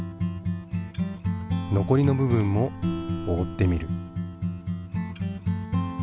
残りの部分もおおってみる。